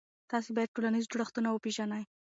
تاسې باید ټولنیز جوړښتونه وپېژنئ.